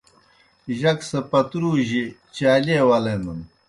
جک سہ پَترُوجیْ چالیئے ولینَن۔